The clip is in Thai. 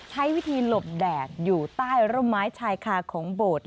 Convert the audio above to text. ใช้วิธีหลบแดดอยู่ใต้ร่มไม้ชายคาของโบสถ์